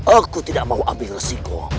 aku tidak mau ambil resiko